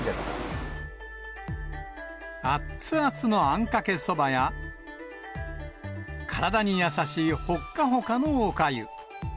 あっつあつのあんかけそばや、体に優しいほっかほかのおかゆ。